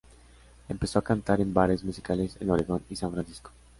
Empezó a cantar en bares musicales en Oregón y San Francisco.